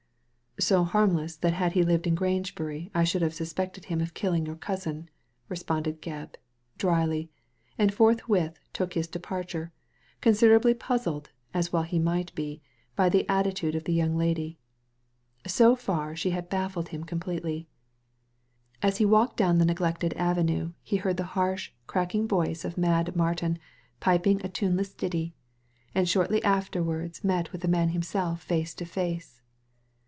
'' So harmless, tiiat had he lived in Grangebury I should have suspected him of killing your cousin, responded Gebb, dryly, and forthwith took his de parture, considerably puzzled, as well he might be, by the attitude of the young lady. So far she had baffled him completely. As he walked down the neglected avenue he heard the harsh, cracked voice of Mad Martin piping a Digitized by Google THE MAD GARDENER 117 tuneless ditty, and shortly afterwards met with the man himself face to face.